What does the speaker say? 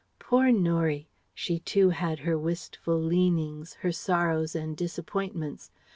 Poor Norie! She too had her wistful leanings, her sorrows and disappointments.